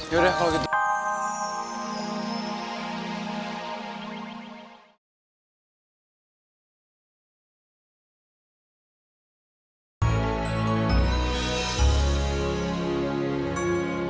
ya udah aku lagi